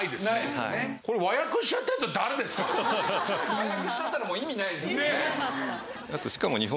和訳しちゃったらもう意味ないですもんね。